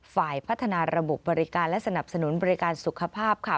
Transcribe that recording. ฝ่ายพัฒนาระบบบริการและสนับสนุนบริการสุขภาพค่ะ